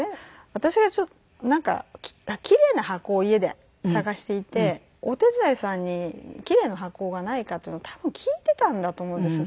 私がちょっとなんかキレイな箱を家で探していてお手伝いさんにキレイな箱がないかというのを多分聞いてたんだと思うんですよ